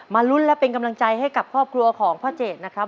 ลุ้นและเป็นกำลังใจให้กับครอบครัวของพ่อเจดนะครับ